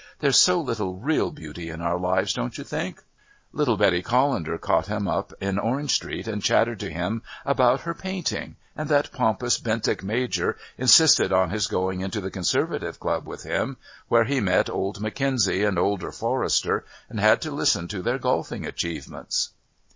"There's so little real Beauty in our lives, don't you think?" Little Betty Callender caught him up in Orange Street and chattered to him about her painting, and that pompous Bentinck Major insisted on his going into the Conservative Club with him, where he met old McKenzie and older Forrester, and had to listen to their golfing achievements.